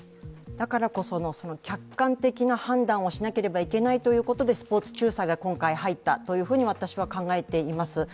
だからこその客観的な判断をしなければいけないということで、スポーツ仲裁が今回入ったと私は考えています。